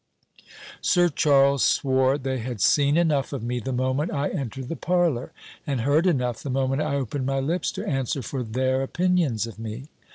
Sir Charles swore they had seen enough of me the moment I entered the parlour, and heard enough the moment I opened my lips to answer for their opinions of me.